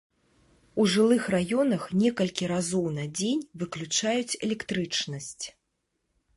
У жылых раёнах некалькі разоў на дзень выключаюць электрычнасць.